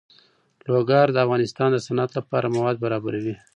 لوگر د افغانستان د صنعت لپاره مواد برابروي.